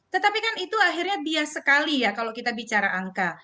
tetapi kan itu akhirnya bias sekali ya kalau kita bicara angka